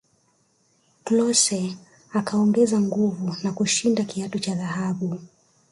klose akaongeza nguvu na kushinda kiatu cha dhahabu